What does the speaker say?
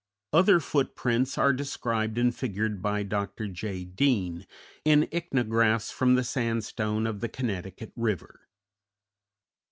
Other footprints are described and figured by Dr. J. Deane in "Ichnographs from the Sandstone of the Connecticut River."